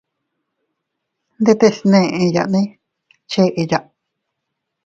Ndetes neʼeyane cheya.